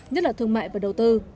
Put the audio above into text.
nhất là thương mại và đầu tư